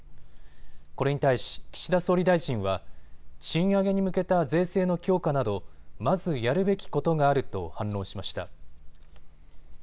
これに対し、岸田総理大臣は賃上げに向けた税制の強化などまずやるべきことがあると反論しました。